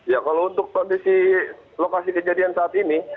ya kalau untuk kondisi lokasi kejadian saat ini